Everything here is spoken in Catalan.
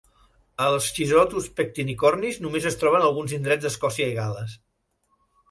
El Schizotus pectinicornis només es troba en alguns indrets d'Escòcia i Gal·les.